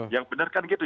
yang benarkan gitu